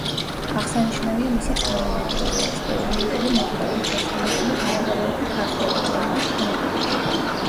აღსანიშნავია მისი თანამედროვე ექსპერიმენტული მეთოდებით შესრულებული გამოკვლევები ქართველური ენების ფონეტიკაში.